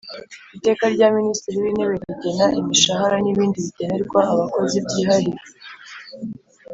Iteka rya Minisitiri w Intebe rigena imishahara n ibindi bigenerwa abakozi by Ihahiro